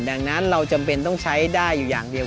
ดังนั้นเราจำเป็นต้องใช้ได้อยู่อย่างเดียว